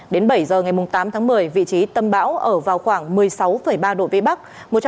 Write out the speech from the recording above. đến bảy giờ ngày tám tháng một mươi vị trí tâm áp thấp nhiệt đới ở vào khoảng một mươi sáu ba độ vĩ bắc